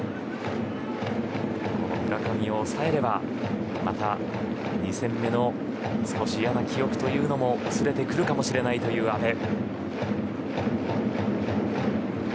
村上を抑えれば２戦目の少し嫌な記憶というのも薄れてくるかもしれないという阿部。